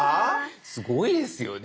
すごいですよね。